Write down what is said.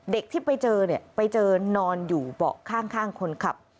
เด็กที่ไปเจอไปเจอนอนอยู่เบาะข้างคนครับ